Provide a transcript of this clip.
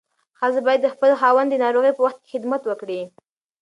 ښځه باید د خپل خاوند ناروغۍ په وخت کې خدمت وکړي.